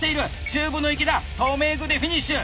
中部の池田留め具でフィニッシュ。